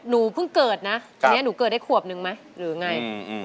หนูเพิ่งเกิดนะตอนนี้หนูเกิดได้ขวบนึงไหมหรือไง